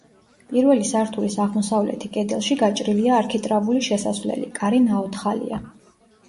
პირველი სართულის აღმოსავლეთი კედელში გაჭრილია არქიტრავული შესასვლელი, კარი ნაოთხალია.